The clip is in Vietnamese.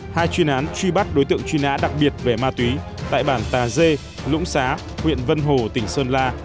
hai chuyên án truy bắt đối tượng truy nã đặc biệt về ma túy tại bản tà dê lũng xá huyện vân hồ tỉnh sơn la